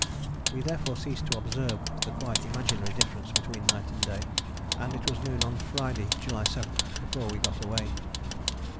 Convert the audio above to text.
We therefore ceased to observe the quite imaginary difference between night and day, and it was noon on Friday (July 7) before we got away.